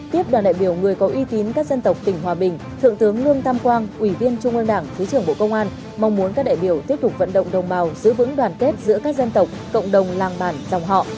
tiếp đoàn đại biểu người có uy tín các dân tộc tỉnh hòa bình thượng tướng lương tam quang ủy viên trung ương đảng thứ trưởng bộ công an mong muốn các đại biểu tiếp tục vận động đồng bào giữ vững đoàn kết giữa các dân tộc cộng đồng làng bản dòng họ